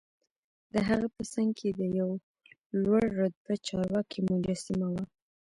دهغه په څنګ کې د یوه لوړ رتبه چارواکي مجسمه وه.